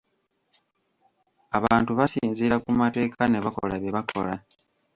Abantu basinziira ku mateeka ne bakola bye bakola.